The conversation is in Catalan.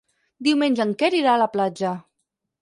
Diumenge en Quer irà a la platja.